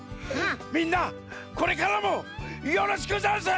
みんなこれからもよろしくざんす！